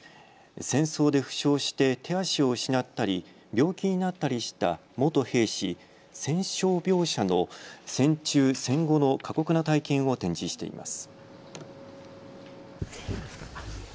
戦争で負傷して手足を失ったり病気になったりした元兵士、戦傷病者の戦中・戦後の過酷な体験を展示しています。